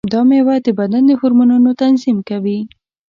دا مېوه د بدن د هورمونونو تنظیم کوي.